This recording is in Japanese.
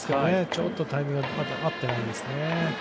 ちょっとタイミングが合ってないですね。